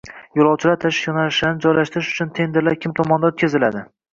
Yo‘lovchilar tashish yo‘nalishlarini joylashtirish uchun tenderlar kim tomonidan o‘tkaziladi?